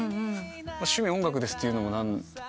趣味音楽ですっていうのも。